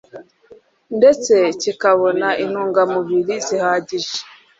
ndetse kikabona intungamubiri zihagije